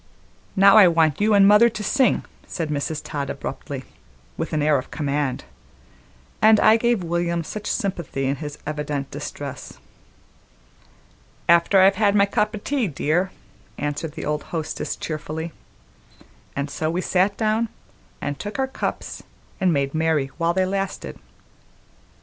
"Now I want you an' mother to sing," said Mrs. Todd abruptly, with an air of command, and I gave William much sympathy in his evident distress. "After I've had my cup o' tea, dear," answered the old hostess cheerfully; and so we sat down and took our cups and made merry while they lasted.